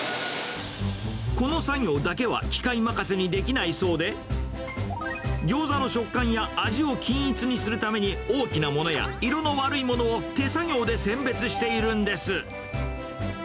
この作業だけは機械任せにできないそうで、ギョーザの食感や味を均一にするために、大きなものや、色の悪いものを手作業で選別しているんです。